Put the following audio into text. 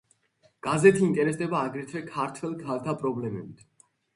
გაზეთი ინტერესდება აგრეთვე ქართველ ქალთა პრობლემებით.